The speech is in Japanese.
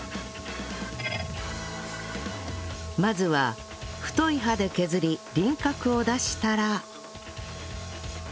まずは太い刃で削り輪郭を出したら